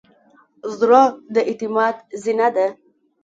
زړه د اعتماد زینه ده.